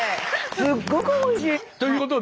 すっごくおいしい！